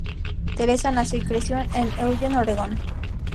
Theresa nació y creció en Eugene, Oregón.